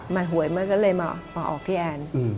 มาหวยมาก็เลยมาออกที่แอนน์